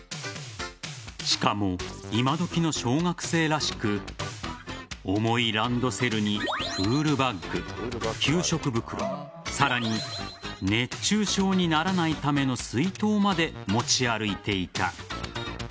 しかも、今どきの小学生らしく重いランドセルにプールバッグ給食袋さらに熱中症にならないための水筒まで持ち歩いていた。